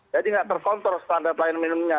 jadi nggak terkontrol standar pelayanan minimum nya